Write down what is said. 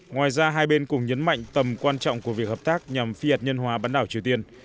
ngoài ra hai bên cũng nhấn mạnh tầm quan trọng của việc hợp tác nhằm phi hạt nhân hóa bán đảo triều tiên